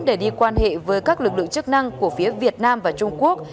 để đi quan hệ với các lực lượng chức năng của phía việt nam và trung quốc